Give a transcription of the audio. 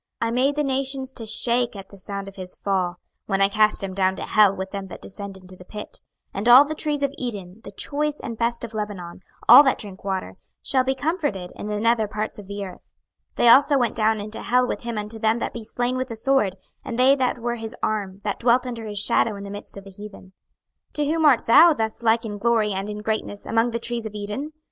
26:031:016 I made the nations to shake at the sound of his fall, when I cast him down to hell with them that descend into the pit: and all the trees of Eden, the choice and best of Lebanon, all that drink water, shall be comforted in the nether parts of the earth. 26:031:017 They also went down into hell with him unto them that be slain with the sword; and they that were his arm, that dwelt under his shadow in the midst of the heathen. 26:031:018 To whom art thou thus like in glory and in greatness among the trees of Eden?